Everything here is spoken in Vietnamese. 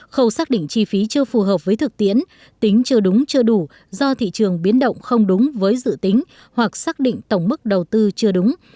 khâu xác định chi phí chưa phù hợp với thực tiễn tính chưa đúng chưa đủ do thị trường biến động không đúng với dự tính hoặc xác định tổng mức đầu tư chưa đúng